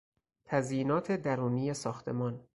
تزیینات درونی ساختمان